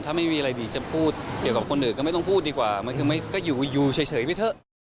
ถ้าไม่มีอะไรบีจะพูดเกี่ยวกับคนอื่นก็ไม่ต้องพูดดีกว่าก็อยู่เฉยไปเถอะ